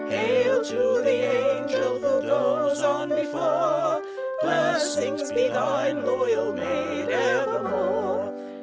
Hail to the an gel who goes on be fore, Blessings be thine, lo yal maid, ev er more.